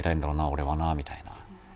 俺はなみたいな。